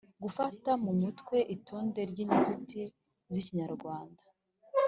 -gufata mu mutwe itonde ry’inyuguti z’ikinyarwanda;